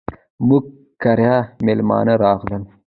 موږ کره ميلمانه راغلل.